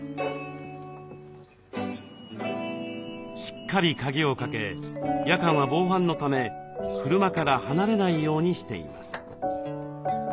しっかり鍵をかけ夜間は防犯のため車から離れないようにしています。